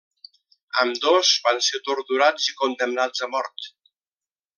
Ambdós van ser torturats i condemnats a mort.